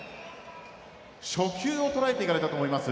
初球をとらえていかれたと思います。